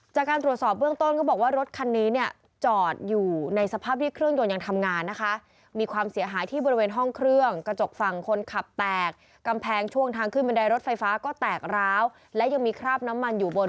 จากการตรวจสอบเบื้องต้นก็บอกว่ารถคันนี้จอดอยู่ในสภาพที่เครื่องยนต์ยังทำงานนะคะ